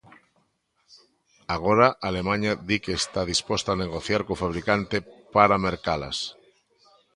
Agora Alemaña di que está disposta a negociar co fabricante para mercalas...